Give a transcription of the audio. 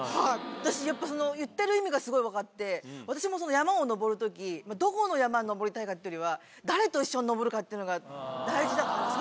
私、やっぱり、言ってる意味がすごい分かって、私も、山を登るとき、どこの山に登りたいかっていうときは、誰と一緒に登るかっていうのが、大事だから。